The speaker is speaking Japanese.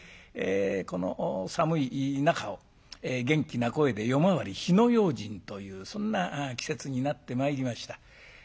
この寒い中を元気な声で夜回り火の用心というそんな季節になってまいりました。